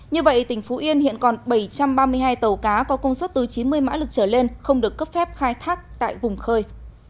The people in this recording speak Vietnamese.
như vậy tỉnh phú yên hiện còn bảy trăm ba mươi hai tàu cá có công suất từ chín mươi mã lực trở lên không được cấp phép khai thác tại vùng khơi